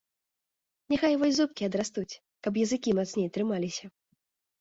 Няхай вось зубкі адрастуць, каб языкі мацней трымаліся!